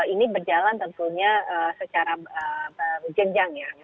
ini berjalan tentunya secara berjalan